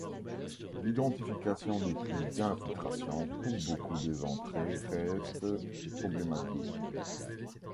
L'identification des puits d'infiltration pour beaucoup des entrées reste problématique.